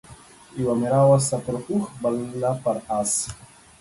يوه مې راوسته پر اوښ بله پر اس